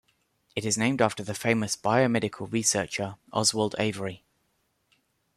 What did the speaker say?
It is named after the famous biomedical researcher Oswald Avery.